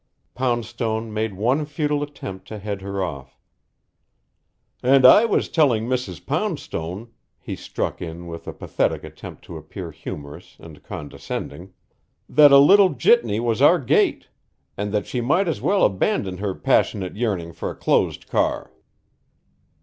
Poundstone made one futile attempt to head her off. "And I was telling Mrs. Poundstone," he struck in with a pathetic attempt to appear humorous and condescending, "that a little jitney was our gait, and that she might as well abandon her passionate yearning for a closed car.